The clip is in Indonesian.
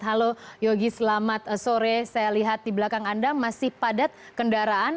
halo yogi selamat sore saya lihat di belakang anda masih padat kendaraan